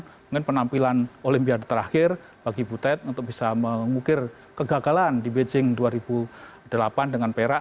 mungkin penampilan olimpiade terakhir bagi butet untuk bisa mengukir kegagalan di beijing dua ribu delapan dengan perak